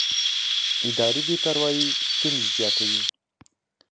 اداري بې پروایي ستونزې زیاتوي